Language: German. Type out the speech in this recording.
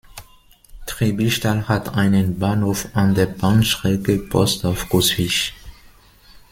Triebischtal hat einen Bahnhof an der Bahnstrecke Borsdorf–Coswig.